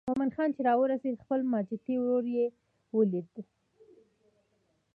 مومن خان چې راورسېد خپل ماجتي ورور یې ولید.